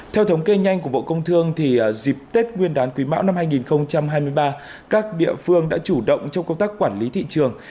theo thống kê nhanh của bộ công thương dịp tết nguyên đán quý mão năm hai nghìn hai mươi ba các địa phương đã chủ động trong công tác quản lý thị trường